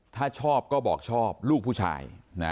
ถ้าชอบก็บอกชอบลูกผู้ชาย